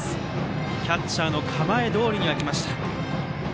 キャッチャーの構えどおりには来ました。